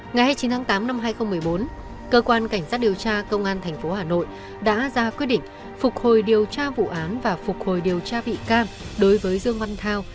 ngày hai mươi chín tháng tám năm hai nghìn một mươi bốn cơ quan cảnh sát điều tra công an tp hà nội đã ra quyết định phục hồi điều tra vụ án và phục hồi điều tra vị cam đối với dương văn thao